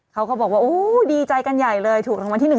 เขาก็บอกว่าโอ้ดีใจกันใหญ่เลยถูกรางวัลที่๑